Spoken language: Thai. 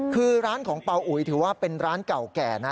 คือร้านของเป่าอุ๋ยถือว่าเป็นร้านเก่าแก่นะ